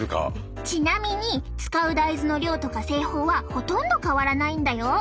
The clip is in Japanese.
ちなみに使う大豆の量とか製法はほとんど変わらないんだよ。